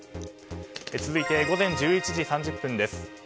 続いて午前１１時３０分です。